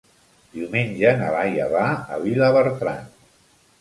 Diumenge na Laia va a Vilabertran.